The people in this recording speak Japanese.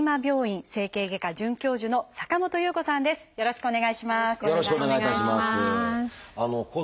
よろしくお願いします。